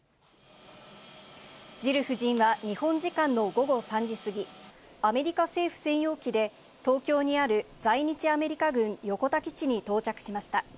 ジル夫人は、日本時間の午後３時過ぎ、アメリカ政府専用機で東京にある在日アメリカ軍横田基地に到着しました。